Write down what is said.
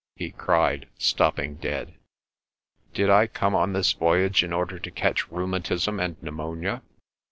he cried, stopping dead. "Did I come on this voyage in order to catch rheumatism and pneumonia?